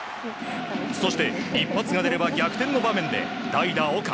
そして一発が出れば逆転の場面で代打、岡。